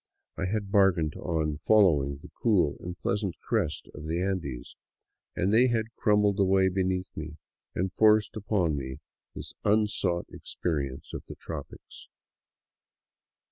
I had bargained on following the cool and pleasant crest of the Andes, and they had crumbled away beneath me and forced upon me this un sought experience of the tropics.